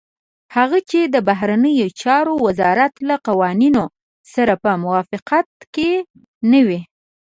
هغه چې د بهرنيو چارو وزارت له قوانينو سره په موافقت کې نه دي.